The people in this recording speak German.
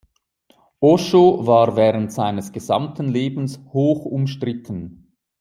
Osho war während seines gesamten Lebens hoch umstritten.